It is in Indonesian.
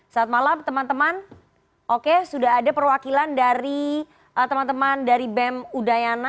saat malam teman teman oke sudah ada perwakilan dari teman teman dari bem udayana